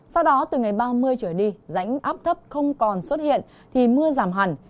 sau đó từ ngày ba mươi trở đi rãnh áp thấp không còn xuất hiện thì mưa giảm hẳn